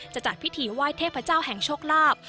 จัดพิธีไหว้เทพเจ้าแห่งโชคลาภ